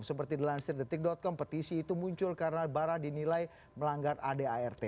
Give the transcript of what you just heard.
seperti dilansir di tik com petisi itu muncul karena barra dinilai melanggar adart